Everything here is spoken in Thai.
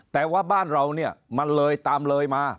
แต่ว่าบ้านเราเนี่ยมันเลยตามเลยมา